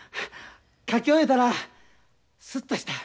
書き終えたらすっとした。